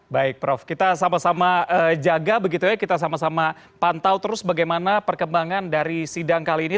baik prof kita sama sama jaga begitu ya kita sama sama pantau terus bagaimana perkembangan dari sidang kali ini